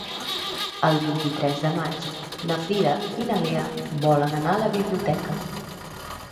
El vint-i-tres de maig na Frida i na Lea volen anar a la biblioteca.